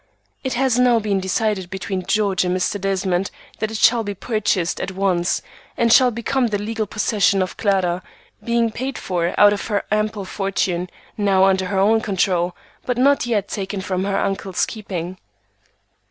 It has now been decided between George and Mr. Desmond that it shall be purchased at once, and shall become the legal possession of Clara, being paid for out of her ample fortune, now under her own control, but not yet taken from her uncle's keeping.